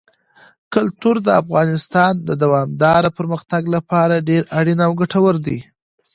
کلتور د افغانستان د دوامداره پرمختګ لپاره ډېر اړین او ګټور دی.